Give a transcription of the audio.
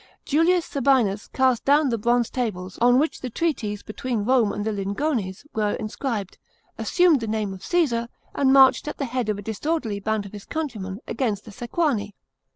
Julius ISabinus cast d >wu the bronze tables on which the treaties between Rome and the Lingones were inscribed, assumed the name of CEesar, and marched at the head of a disorderly band of his countrymen against the Sequani.